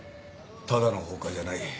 ただの放火じゃない。